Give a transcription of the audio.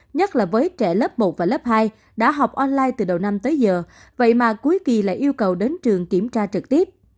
nhất là với trẻ lớp một và lớp hai đã học online từ đầu năm tới giờ vậy mà cuối kỳ lại yêu cầu đến trường kiểm tra trực tiếp